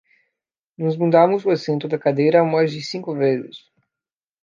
Nós mudamos o assento da cadeira mais de cinco vezes.